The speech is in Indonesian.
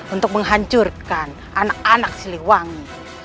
untuk menghancurkan anak anak siliwangi